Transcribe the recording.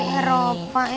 berasa di eropa ya